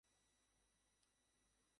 তুমি সব গ্রহণ কর, আমি তোমাকে কখনও ভুলিব না।